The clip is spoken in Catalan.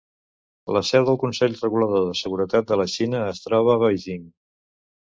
La seu del Consell Regulador de Seguretat de la Xina es troba a Beijing.